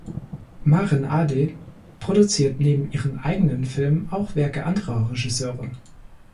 Maren Ade produziert neben ihren eigenen Filmen auch Werke anderer Regisseure.